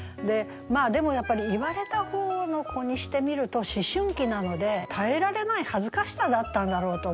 でもやっぱり言われた方の子にしてみると思春期なので耐えられない恥ずかしさだったんだろうと思いますね。